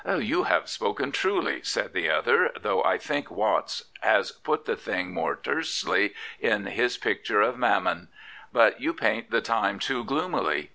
'* You have spoken truly," said the other, " though I think Watts has put the thing more tersely in his picture of ' Mammon.* But you paint the time too gloomily.